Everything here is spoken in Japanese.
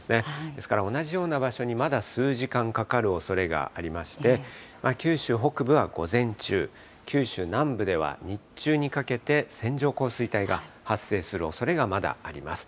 ですから同じような場所にまだ数時間かかるおそれがありまして、九州北部は午前中、九州南部では日中にかけて、線状降水帯が発生するおそれがまだあります。